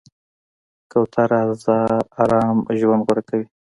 کوتره آرام ژوند غوره کوي.